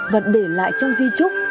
vẫn để lại trong di trúc